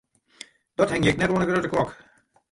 Dat hingje ik net oan 'e grutte klok.